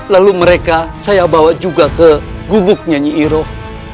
lalu mereka saya bawa juga ke gugupnya nyi iroh